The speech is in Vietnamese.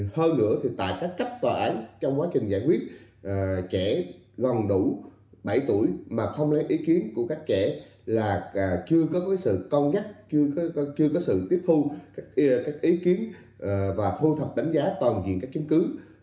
hơn nữa thì tại các cấp tòa án trong quá trình giải quyết trẻ gần đủ bảy tuổi mà không lấy ý kiến của các trẻ là chưa có sự cân nhắc chưa có sự tiếp thu các ý kiến và thu thập đánh giá toàn diện các chứng cứ